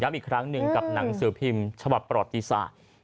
อีกครั้งหนึ่งกับหนังสือพิมพ์ฉบับประวัติศาสตร์